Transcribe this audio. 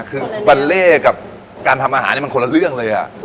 คือบัลเล่กับการทำอาหารมันคนละเรื่องเลย